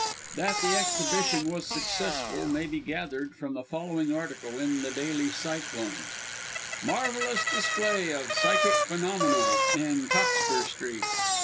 That the exhibition was successful may be gathered from the following article in the Daily Cyclone "MARVELLOUS DISPLAY OF PSYCHIC PHENOMENA IN COCKSPUR STREET.